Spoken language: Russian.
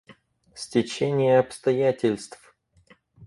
Стечение обстоятельств.